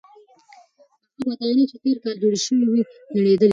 هغه ودانۍ چې تېر کال جوړه شوې وه نړېدلې ده.